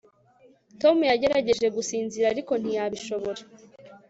Tom yagerageje gusinzira ariko ntiyabishobora